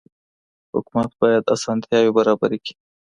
حکومت بايد اسانتياوي برابري کړي.